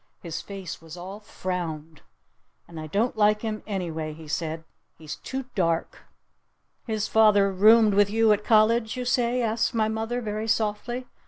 His face was all frowned. "And I don't like him anyway," he said. "He's too dark!" "His father roomed with you at college, you say?" asked my mother very softly.